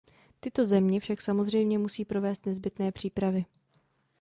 Tyto země však samozřejmě musí provést nezbytné přípravy.